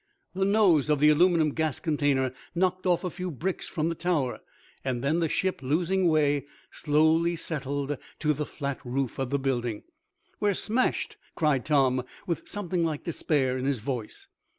The nose of the aluminum gas container knocked off a few bricks from the tower, and then, the ship losing way, slowly settled to the flat roof of the building. "We're smashed!" cried Tom, with something like despair in his voice.